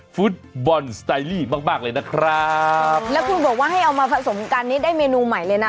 ฟุตบอลสไตลี่มากมากเลยนะครับแล้วคุณบอกว่าให้เอามาผสมกันนี้ได้เมนูใหม่เลยนะ